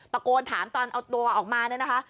ตะโกนถามตอนเอาตัวออกมาเนี่ยนะคะ